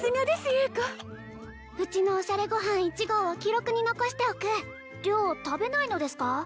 優子うちのおしゃれご飯１号を記録に残しておく良食べないのですか？